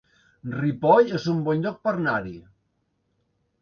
Ripoll es un bon lloc per anar-hi